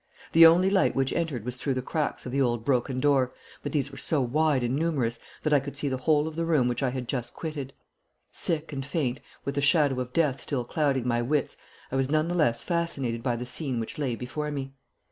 The only light which entered was through the cracks of the old broken door, but these were so wide and numerous that I could see the whole of the room which I had just quitted. Sick and faint, with the shadow of death still clouding my wits, I was none the less fascinated by the scene which lay before me.